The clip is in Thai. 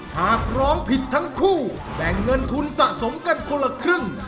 หากร้องผิดทั้งคู่แบ่งเงินทุนสะสมกันคนละครึ่ง